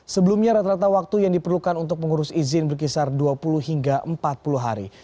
sebelumnya rata rata waktu yang diperlukan untuk mengurus izin berkisar dua puluh hingga empat puluh hari